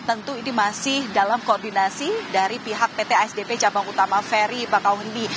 tentu ini masih dalam koordinasi dari pihak pt asdp cabang utama ferry bakauheni